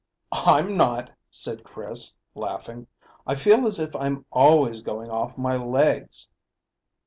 "I'm not," said Chris, laughing. "I feel as if I'm always going off my legs."